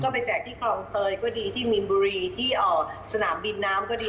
ไปแจกที่คลองเตยก็ดีที่มีนบุรีที่สนามบินน้ำก็ดี